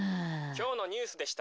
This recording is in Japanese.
「きょうのニュースでした」。